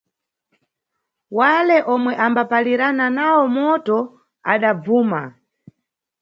Wale omwe ambapalirana nawo moto adabvuma.